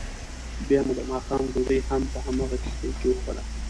بیا مو دماښام ډوډۍ هم په همغه کښتۍ کې وخوړه.